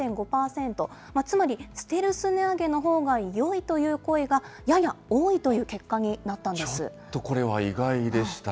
つまりステルス値上げのほうがよいという声が、やや多いという結ちょっとこれは意外でした。